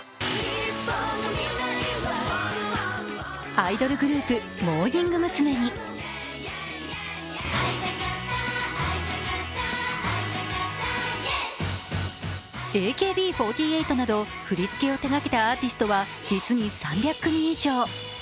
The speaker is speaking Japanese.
アイドルグループ、モーニング娘にＡＫＢ４８など振り付けを手がけたアーティストは実に３００組以上。